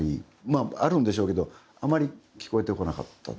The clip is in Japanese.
まああるんでしょうけどあまり聞こえてこなかった。